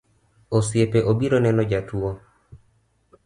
Osiepe obiro neno jatuo